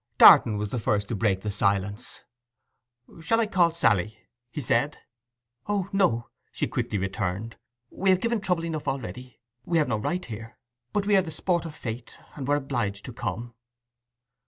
Darton was the first to break the silence. 'Shall I call Sally?' he said. 'O no,' she quickly returned. 'We have given trouble enough already. We have no right here. But we are the sport of fate, and were obliged to come.